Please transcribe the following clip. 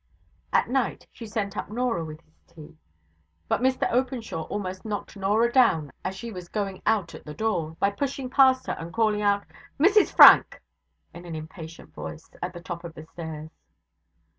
At night she sent up Norah with his tea. But Mr Openshaw almost knocked Norah down as she was going out at the door, by pushing past her and calling out, 'Mrs Frank!' in an impatient voice, at the top of the stairs.